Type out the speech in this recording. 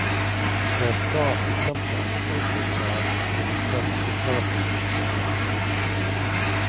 Their staff is sometimes also charged with interpreting other pieces of military history.